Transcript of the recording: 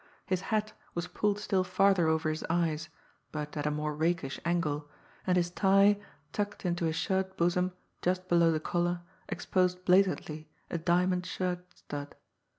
His hat was pulled still farther over his eyes, but at a more rakish angle, and his tie, tucked into his shirt bosom just below the collar, exposed blatantly a diamond shirt stud.